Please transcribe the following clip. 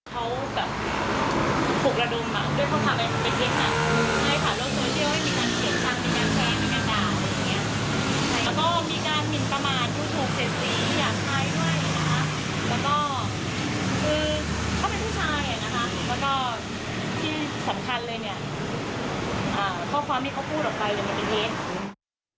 ก็พูดออกไปอย่างในประเทศ